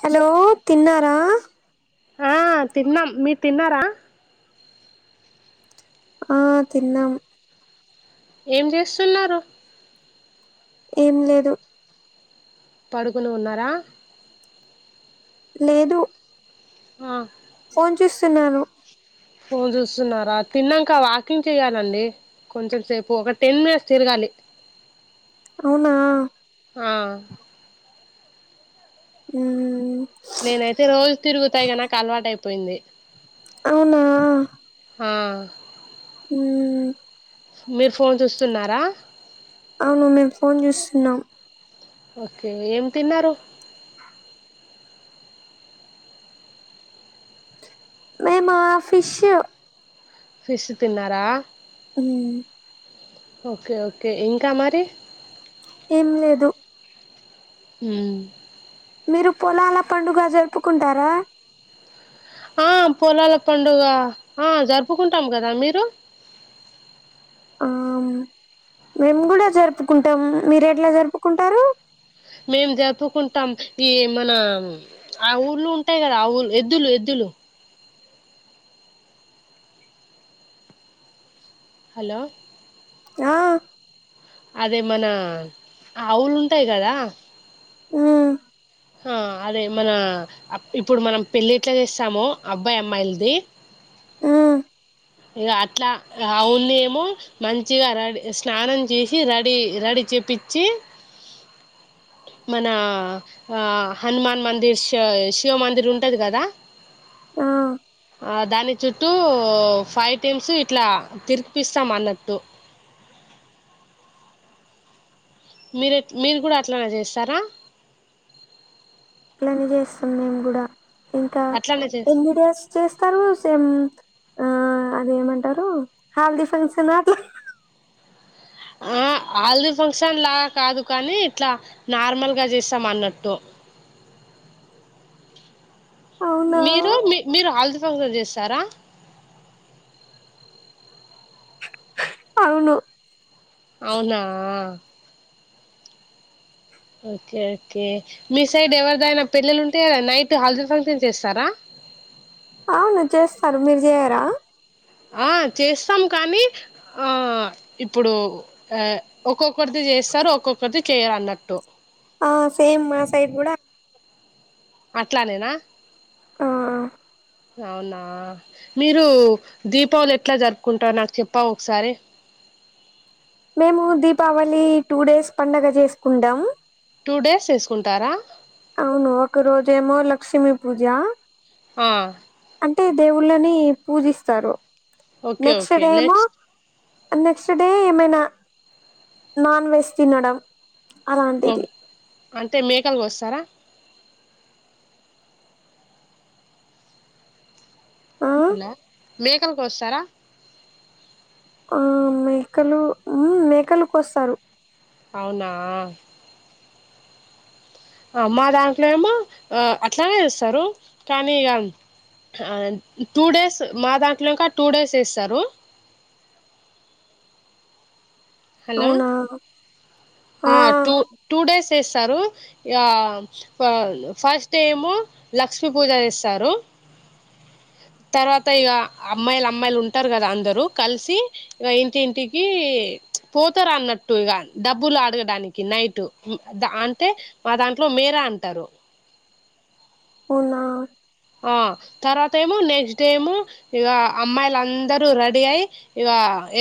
hello తిన్నారా ఆ తిన్నాం మీరు తిన్నారా ఆ తిన్నాం ఏం చేస్తున్నారు ఏం లేదు పడుకుని ఉన్నారా లేదు ఆ ఫోన్ చూస్తున్నాను ఫోన్ చూస్తున్నారా తిన్నాక వాకింగ్ చెయ్యాలండి కొంచెం సేపు ఒక టెన్ మినిట్స్ తిరగాలి అవునా హ్మ్ నేను అయితే రోజూ తిరుగుతా ఇక నాకు అలవాటు అయి పోయింది అవునా ఆ హ్మ్ మీరు ఫోన్ చూస్తున్నారా అవును మేము ఫోన్ చూస్తున్నాం ఓకే ఏం తిన్నారు మే మా ఫిస్సు ఫిస్సు తిన్నారా ఊ ఓకే ఓకే ఇంకా మరి ఏం లేదు ఊ మీరు పొలాల పండుగ జరుపుకుంటారా ఆ పొలాల పండుగ ఆ జరుపుకుంటాం కదా మీరు ఆ మేము కూడా జరుపుకుంటాం మీరు ఎట్లా జరుపుకుంటారు మేము జరుపుకుంటాం ఈ మన ఆ ఊళ్ళు ఉంటాయి కదా ఆ ఊ ఎద్దులు ఎద్దులు హలో ఆ అదే మన ఆవులు ఉంటాయి కదా ఆ ఆ అదే మన అ ఇప్పుడు మనం పెళ్ళి ఎట్లా చేస్తామో అబ్బాయి అమ్మాయిలది ఇక అట్లా అవున్నేమో మంచిగా రడీ స్నానం చేసి రెడీ రెడీ చేపిచ్చి మన హ హనుమాన్ మందిర్ శ శివమందిర్ ఉంటుంది కదా ఆ దాని చుట్టూ ఫైవ్ టెమ్స్ ఇట్లా తిరిపిస్తాం అన్నట్టు మీరు ఏట్ మీరు కూడా అట్లనే చేస్తారా ఇది చేస్తాం మేము కూడా ఇంకా ఎన్ని డేస్ చేస్తారు సేమ్ ఆ అదేమంటారు హల్ది ఫంక్షన్ అట్ల ఆ ఆల్ది ఫంక్షన్ లాగా కాదు కానీ ఇట్లా నార్మల్గా చేస్తాం అన్నట్టు మీరు మీ మీరు హల్దీ ఫంక్షన్ చేస్తారా అవును అవునా ఓకే ఓకే మీ సైడ్ ఎవరిదైనా పెళ్లిలుంటే నైట్ హల్దే ఫంక్షన్స్ చేస్తారా అవును చేస్తారు మీరు చేయారా ఆ చేస్తాం కానీ ఆ ఇప్పుడు ఆ ఒక్కొక్కరిది చేస్తారు ఒక్కొక్కరిది చేయరు అన్నట్టు ఆ సేమ్ మా సైడ్ కూడా అట్లానేనా ఆ అవునా మీరు దీపావళి ఎట్లా జరుపుకుంటారు నాకు చెప్పావ్ ఒకసారి మేము దీపావళి టూ డేస్ పండగ చేసుకుంటాం టూ డేస్ చేసుకుంటారా అవును ఒక రోజేమో లక్ష్మీ పూజ ఆ వులని పూజిస్తారు okay okay next next day ఏమైనా నాన్ వెజ్ తినడం అలాంటిది అంటే మేకలు గోస్తారా హలో మేకలు గోస్తారా ఆ మేకలు ఉ మేకలు కోస్తారు అవునా మా దాంట్లో ఏమో అట్లానే చేస్తారు కానీ ఇక టూ డేస్ మా దాంట్లో ఇంకా టూ డేస్ వేస్తారు హలో టూ డేస్ చేస్తారు ఇక ఫస్ట్ే ఏమో లక్ష్మీ పూజ చేస్తారు తర్వాత ఇక అమ్మాయిలు అమ్మాయిలు ఉంటారు కదా అందరూ కలిసి ఇ ఇంటింటికి పోతారు అన్నట్టు ఇక డబ్బులు అడగడానికి నైట్ ద అంటే మా దాంట్లో మేర అంటారు ఉ ఆ తర్వాత ఏమో నెక్స్ట్ డేమో ఇక అమ్మాయిలు అందరూ రెడీ అయి ఇక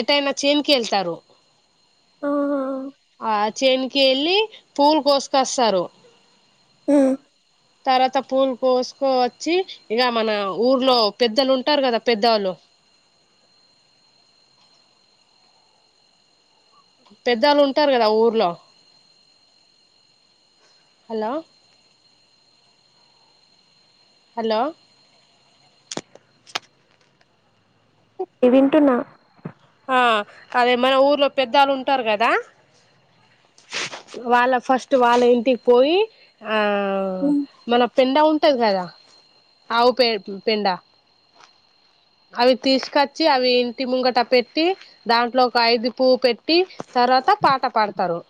ఎటైనా చేన్కి వెళ్తారు ఆ చేన్కి వెళ్ళి పూలు కోసుకస్తారు హ తర్వాత పూలు కోసుకో వచ్చి ఇక మన ఊర్లో పెద్దలు ఉంటారు కదా పెద్దవాళ్ళు పెద్దళ్ళు ఉంటారు కదా ఊర్లో హలో హలో ఏవంట నా అ మన ఊలో పెద్దంటారు కద వాళ ఫస్ట్ వాళ ఇంటి పోయి మన పెంండ ఉంటది కదా ఆవు ప ప పెండ అవి తీసుకొచ్చి అవి ఇంటి ముంగట పెట్ దాంట్లో ఒక ఐదు పువ పెట్టి తర్వాత పాట పాడతారు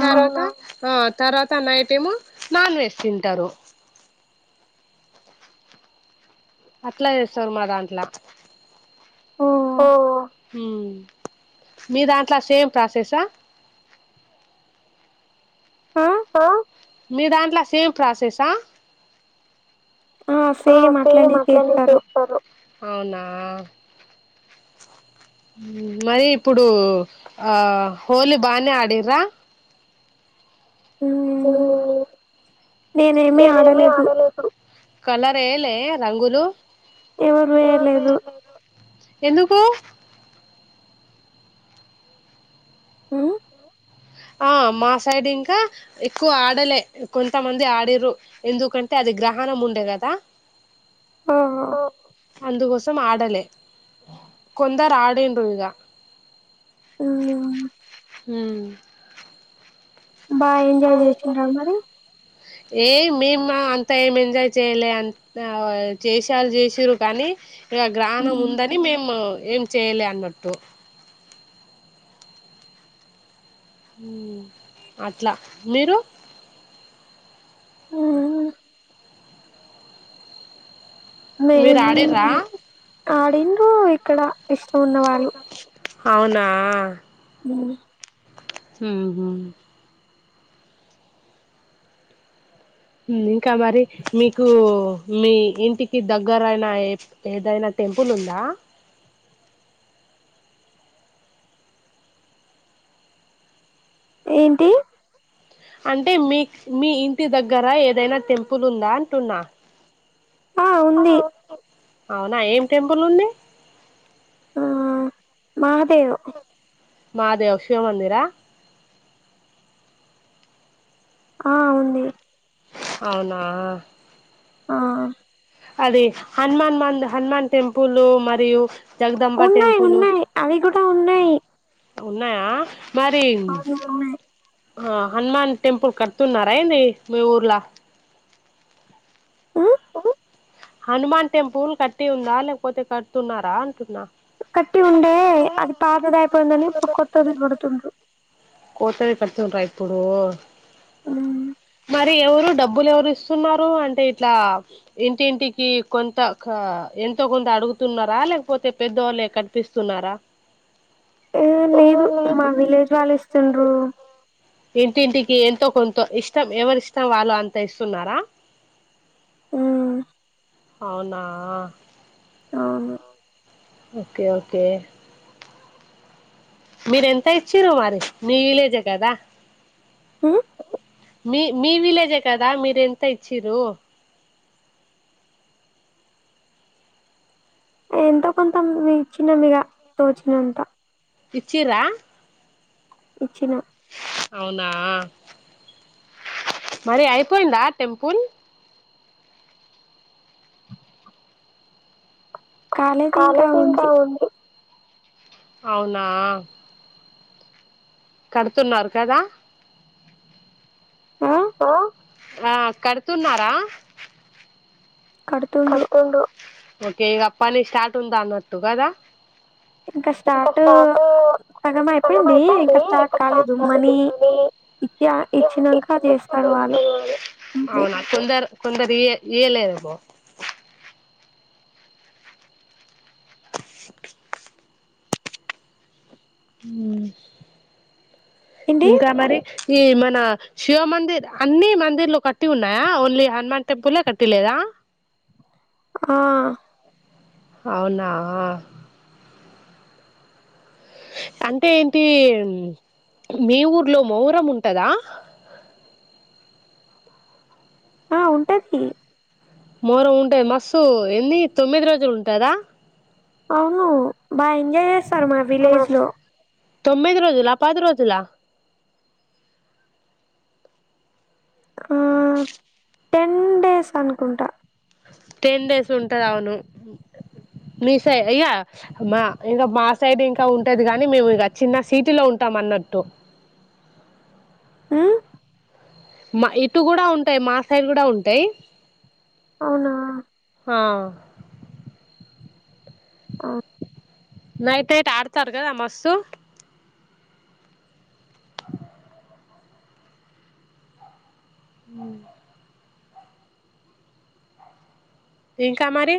క ఆ తర్వాత నైట్ ఏమో నాన్ వెజ్ తింటారు అట్లా చేస్తర్మా దాంట్లా ఓ మీ దాంట్లో సేమ్ ప్రాసెసా ఆ మీ దాంట్లో సేమ్ ప్రాసెసా ఆ సే అట్లానే చేస్తారు అవునా మరి ఇప్పుడు ఆ హోలీ బానే ఆడరా ఆ న న మీ ఆడాల ఇప్పుడు కల ఎలే రంగులు ఎందు హ ఆ మా సైడ్ ఇంకా ఎక్కువ ఆడలే కొంతమంది ఆడరు ఎందుకంటే అది గ్రహణం ఉండే కదా కందుగుస్త ఆడలే కొంద రా ఆడండవగా హ బా ఎంజాయ్ చేస్తుంటారు మరి ఏ మేము అంతా ఏం ఎంజాయ్ చేయాలి అంత చేసాల చేసి్ర కానీ ఇ గ్ఞానం ఉందని మేము ఏం చేయలే అన్నట్టు అట్లా మీరు మేము అడిండ్రు ఇక్కడ ఇష్టం ఉన్న వాళ్ళు అవునా ఉమ్ హు హుమ్ ఉమ్ ఇంకా మరి మీకు మీ ఇంటికి దగ్గరయిైన ఏదైనా టెంపుల్ ఉందా ఏంటి అంటే మీకు మీ ఇంటి దగ్గర ఏదైనా టెంపుల్ ఉందా అంటున్నా ఆ ఉంది అవునా ఏం టెంపుల్ ఉంది ఆ మా థెవ్ మాహాదేవ శివమందిరా ఆ ఉవుంది అవునా ఆ అది హనుమాన్ మంద హనుమాన్ టెంపుల్ మరియు ఉన్నాయి ఉన్నాయి అవి కూడా ఉన్నాయి ఉన్నాయా మరి ఆ హనుమాన్ టెంపుల్ కడుతున్నారాయ నీ మీ ఊర్లా హనుమాన్ టెంపుల్ కట్టి ఉందా లేకపోతే కట్తున్నారా అంటున్నా కట్టి ఉండే అది పాతద అయిపోయిందని ఇప్పుడు కొత్తది పడుతుంట్రు కోతరి కడుతుకుంట రా ఇప్పుడు అ మరి ఎవరు డబ్బులు ఎవరుస్తున్నారు అంటే ఇట్లా ఇంటింటికి కొంత ఎంతో కొంత అడుగుతున్నారా లేకపోతే పెద్దవాళ్ళే కనిపిస్తున్నారా ఆ లేదు మా విలేజ్ వాళ్ళు ఇస్త చండ్రూ ఇంటింటికి ఎంతో కొంత ఇష్టం ఎవరిష్టం వాళ్ళు అంత ఇస్తున్నారా ఉమ్ అవునా అవును ఓకే ఓకే మీరెంత ఇచ్చారు మరి మీ విలేజే కదా ఉమ్ మీ మీ విలేజే కదా మీర ఎంత ఇచ్చ్ర ఎంత కొంత చిన్న మీగ తోచినంత ఇచ్చిరా ఇచ్చిన అవునా మరి అయిపోయిందా టెంపుల్ కాలేదు ఇంకా ఉంది అవునా కడుతున్నారు కదా హ ఆ కడుతున్నారా కడుతుండ్రు ఓకే ఇగ పని స్టార్ట్ ఉందా అన్నట్టు కదా ఇంకా స్టాఫ్ సగం అయిపోయింది ఇంకా స్టాప్ కాలేదు మనీ ఇచ ఇచ్చినంక బెట్ ఎయ్యాలే అవునా కొందర్ కొందరి ఇయ ఇయ్యలేదే బో ఉం ఇంకా మరి ఈ మన శివమందిర్ అన్ని మందిర్లు కట్టి ఉన్నాయా ఓన్లీ హనుమాన్ టెంపులే కట్టిలేదా ఆ అవునా అంటే ఏంటి మీ ఊర్లో మౌరం ఉంటందా ఆ ఉంటది మోహరం ఉంటాయి మస్సు ఎన్ని తొమ్మిది రోజులు ఉంటాదా అవును బా ఎంజాయ్ చేస్ స్తారు మా విలేజ్ లో తొమ్మిది రోజుల పది రోజుల ఆ టెన్ డేస్ అనుకుంటా టెన్ డేస్ ఉంటది అవును మీ సైడ్ ఇక మా ఇంకా మా సైడ్ ఇంకా ఉంటది కానీ మేము ఇక చిన్న సిటీలో ఉంటాం అన్నట్టు ఉం మా ఇటు కూడా ఉంటాయి మా సైడ్ కూడా ఉంటాయి అవునా అ ఆ నైట్ నైట్ ఆడతారు కదా మస్తు ఉం ఇంకా మరి